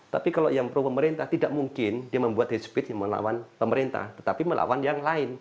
tapi kalau yang pro pemerintah tidak mungkin dia membuat hate speech yang melawan pemerintah tetapi melawan yang lain